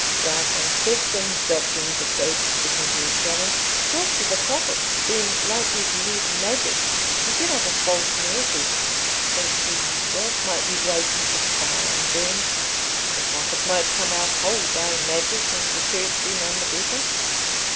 Fra Francesco himself seems afraid of sticking to his challenge; talks of the Prophet being likely to use magic to get up a false miracle—thinks he himself might be dragged into the fire and burned, and the Prophet might come out whole by magic, and the Church be none the better.